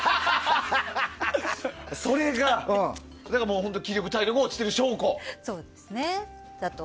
それが本当に気力、体力が落ちている証拠だと。